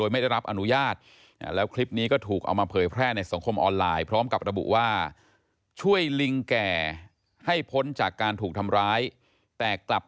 ไม่มีคนหาเห่าแล้ว